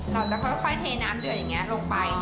เราจะค่อยเทน้ำเดือดอย่างนี้ลงไป